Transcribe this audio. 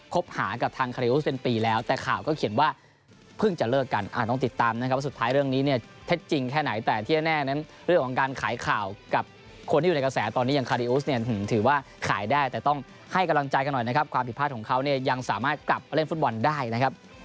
หากับทางคาริอุสเป็นปีแล้วแต่ข่าวก็เขียนว่าเพิ่งจะเลิกกันต้องติดตามนะครับว่าสุดท้ายเรื่องนี้เนี่ยเท็จจริงแค่ไหนแต่ที่แน่นั้นเรื่องของการขายข่าวกับคนที่อยู่ในกระแสตอนนี้อย่างคาริอุสเนี่ยถือว่าขายได้แต่ต้องให้กำลังใจกันหน่อยนะครับความผิดพลาดของเขาเนี่ยยังสามารถกลับมาเล่นฟุตบอลได้นะครับ